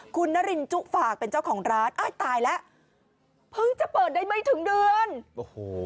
คุณนารินจุฝากเป็นเจ้าของร้านอ้ายตายแล้วเพิ่งจะเปิดได้ไม่ถึงเดือนโอ้โห